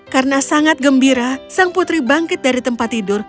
karena sangat gembira sang putri bangkit dari tempat tidur